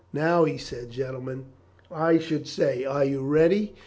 "Now," he said, "gentlemen, I shall say 'Are you ready?'